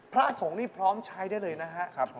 พระสงฆ์นี่พร้อมใช้ได้เลยนะครับ